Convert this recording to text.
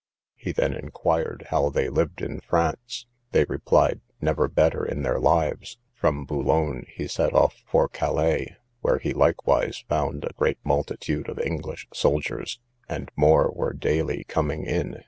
He then inquired how they lived in France? They replied, never better in their lives. From Boulogne he set off for Calais; where he likewise found a great multitude of English soldiers, and more were daily coming in.